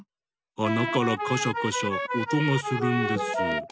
あなからカシャカシャおとがするんです。